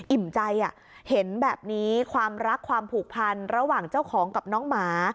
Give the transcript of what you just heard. ใจเห็นแบบนี้ความรักความผูกพันระหว่างเจ้าของกับน้องหมา